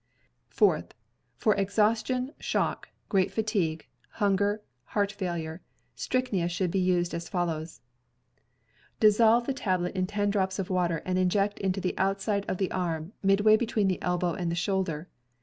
FOURTH — For exhaustion, shock, great fatigue, hunger, heart failure, strychnia should be used as follows: Dissolve the tablet in ten drops of water and inject into the outside of the arm, midway between the elbow and the shoulder.